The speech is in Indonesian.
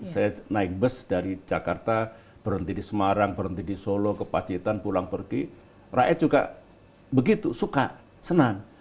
saya naik bus dari jakarta berhenti di semarang berhenti di solo ke pacitan pulang pergi rakyat juga begitu suka senang